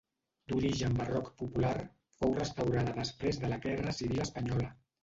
D'origen barroc popular, fou restaurada després de la Guerra Civil Espanyola.